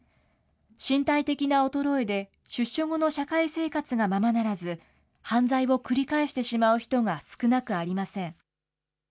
身体的な衰えで出所後の社会生活がままならず、犯罪を繰り返してしまう人が少なくありません。